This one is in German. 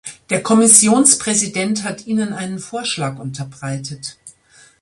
Der Kommissionspräsident hat Ihnen einen Vorschlag unterbreitet.